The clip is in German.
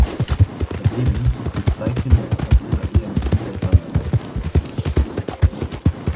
Daneben zog sie zwei Kinder aus ihrer Ehe mit Günther Sander groß.